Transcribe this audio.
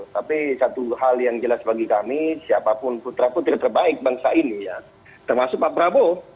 tapi satu hal yang jelas bagi kami siapapun putra putri terbaik bangsa ini ya termasuk pak prabowo